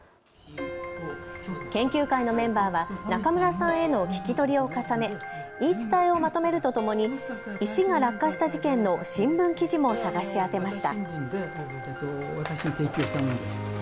研究会のメンバーは中村さんへの聞き取りを重ね言い伝えをまとめるとともに石が落下した事件の新聞記事も探し当てました。